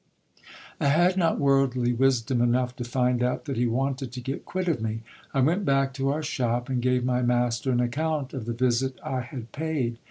I had not worldly wisdom enough to find out that he wanted to get quit of me. I went back to our shop, and gave my master an account of the visit I had paid.